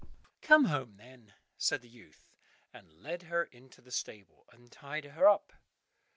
meh!" "Come home, then," said the youth, and led her into the stable, and tied her up.